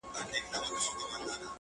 • خیر لږ دي وي حلال دي وي پلارجانه..